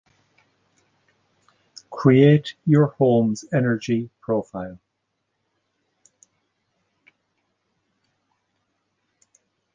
Create your home's energy profile.